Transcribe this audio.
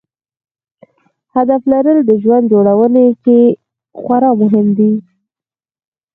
هدف لرل د ژوند جوړونې کې خورا مهم دی.